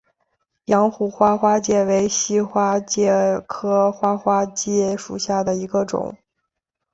阳虎花花介为细花介科花花介属下的一个种。